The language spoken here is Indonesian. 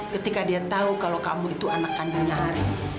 ketika dia tahu kalau kamu itu anak kandungnya haris